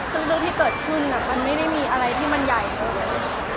ซึ่งเรื่องที่เกิดขึ้นมันไม่ได้มีอะไรที่มันใหญ่เท่านี้